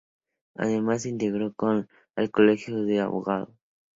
Además, se integró al Colegio de Abogados.